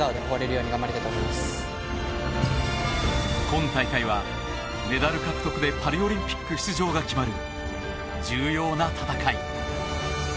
今大会はメダル獲得でパリオリンピック出場が決まる重要な戦い。